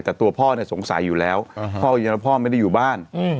แต่ตัวพ่อเนี่ยสงสัยอยู่แล้วอืมพ่อพ่อไม่ได้อยู่บ้านอืม